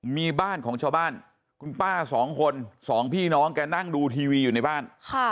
มีบ้านของชาวบ้านคุณป้าสองคนสองพี่น้องแกนั่งดูทีวีอยู่ในบ้าน